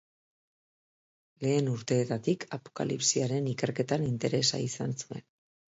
Lehen urteetatik Apokalipsiaren ikerketan interesa izan zuen.